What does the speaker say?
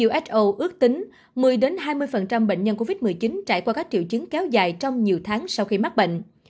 uso ước tính một mươi hai mươi bệnh nhân covid một mươi chín trải qua các triệu chứng kéo dài trong nhiều tháng sau khi mắc bệnh